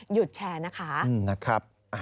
หยุดแชร์นะคะ